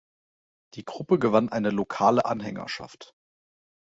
Die Gruppe gewann eine lokale Anhängerschaft.